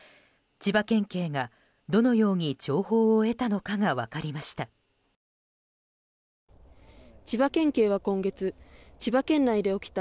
千葉県警がどのように情報を得たのかが分かりました。